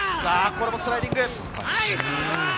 これもスライディング。